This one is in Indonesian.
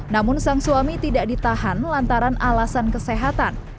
namun sang suami tidak ditahan lantaran alasan kesehatan